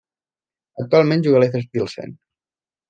Actualment juga a l'Efes Pilsen.